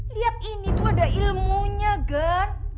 lihat ini tuh ada ilmunya kan